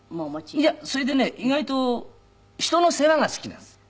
いやそれでね意外と人の世話が好きなんです。